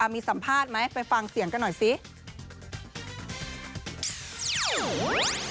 มีสัมภาษณ์ไหมไปฟังเสียงกันหน่อยสิ